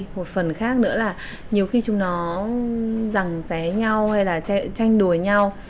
một phần khác nữa là nhiều khi chúng nó rằng xé nhau hay là tranh đùa nhau